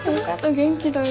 元気だよ。